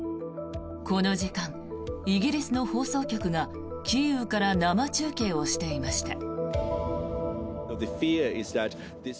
この時間、イギリスの放送局がキーウから生中継をしていました。